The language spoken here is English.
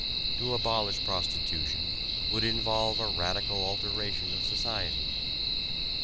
To abolish prostitution would involve a radical alteration of society.